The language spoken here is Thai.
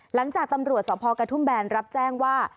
หลังจากตำรวจสพกระทุ่มแบนรับแจ้งว่า